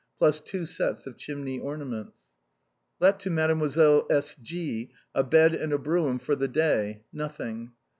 plus two sets of chimney ornaments. " Let to Mdlle. S. G a bed and a brougham for the day (nothing).